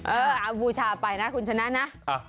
เออบูชาไปนะคุณฉะนั้นนะ